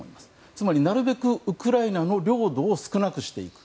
つまり、ウクライナの領土を少なくしていく。